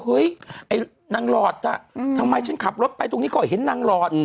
เฮ้ยไอ้นางหลอดอ่ะทำไมฉันขับรถไปตรงนี้ก็เห็นนางหลอด